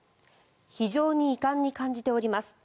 非常に遺憾に感じております